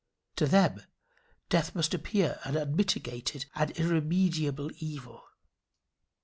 To them death must appear an unmitigated and irremediable evil.